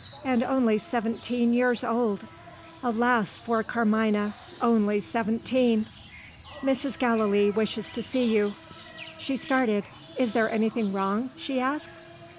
And only seventeen years old. Alas for Carmina, only seventeen! "Mrs. Gallilee wishes to see you." She started. "Is there anything wrong?" she asked.